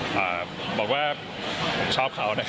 เอ่าบอกว่าชอบเขาน่ะครับ